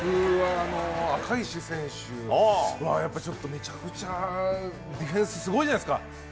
赤石選手はめちゃくちゃディフェンス、すごいじゃないですか。